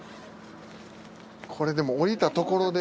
これでも降りたところで。